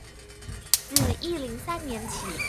自一零三年起